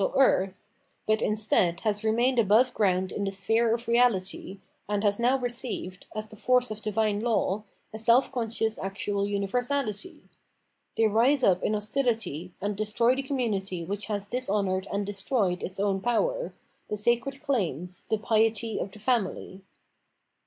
Quilt and Destiny 473 earth, but instead has remained above ground in the sphere of reahty, and has now received, as the force of divine law, a self conscious actual universahty. They rise up in hostihty, and destroy the conununity which has dishonoured and destroyed its own power, the sacred claims, the " piety " of the family.